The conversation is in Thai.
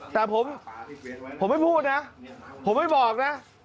แต่ผมไม่พูดนะผมไม่บอกนะ